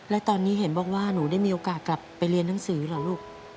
แล้วตอนนี้เห็นบอกว่าหนูได้มีโอกาสกลับไปเรียนหนังสือเหรอลูก